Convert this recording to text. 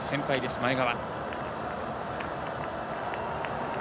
前川。